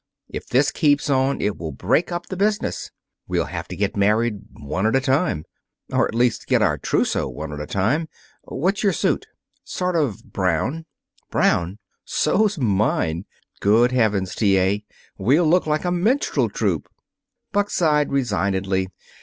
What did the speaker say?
If this keeps on, it will break up the business. We'll have to get married one at a time or, at least, get our trousseaux one at a time. What's your suit?" "Sort of brown." "Brown? So's mine! Good heavens, T. A., we'll look like a minstrel troupe!" Buck sighed resignedly.